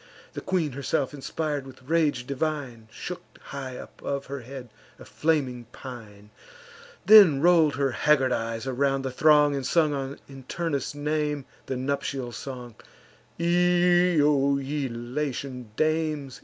The queen herself, inspir'd with rage divine, Shook high above her head a flaming pine; Then roll'd her haggard eyes around the throng, And sung, in Turnus' name, the nuptial song: "Io, ye Latian dames!